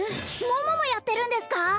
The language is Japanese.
桃もやってるんですか？